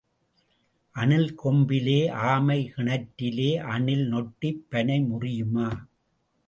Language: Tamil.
அணில் கொம்பிலே ஆமை கிணற்றிலே, அணில் நொட்டிப் பனை முறியுமா?